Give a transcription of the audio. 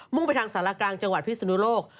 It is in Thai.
ไปทางสารกลางจังหวัดพิศนุโลก